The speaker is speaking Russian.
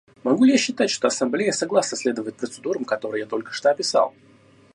Могу ли я считать, что Ассамблея согласна следовать процедурам, которые я только что описал?